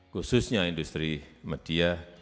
khususnya industri media